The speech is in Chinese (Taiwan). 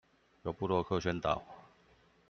由部落客宣導